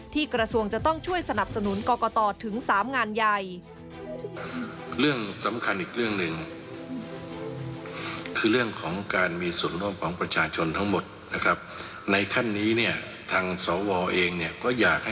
กระทรวงจะต้องช่วยสนับสนุนกรกตถึง๓งานใหญ่